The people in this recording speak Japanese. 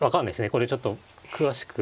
これちょっと詳しく。